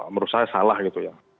menurut saya salah gitu ya